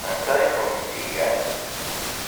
Anta i kent-tt-igan?